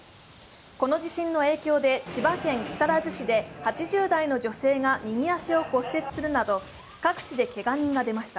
この地震の影響で千葉県木更津市で８０代の女性が右足を骨折するなど、各地でけが人が出ました。